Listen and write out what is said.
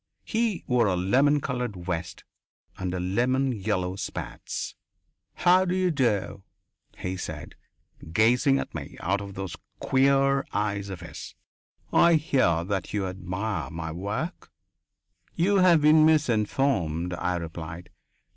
He wore a lemon coloured vest and lemon yellow spats. "How d'you do?" he said, gazing at me out of those queer eyes of his. "I hear that you admire my work." "You have been misinformed," I replied.